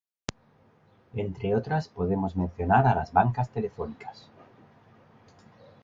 Entre otras, podemos mencionar a las bancas telefónicas.